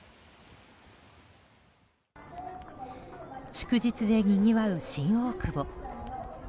祝日でにぎわう新大久保。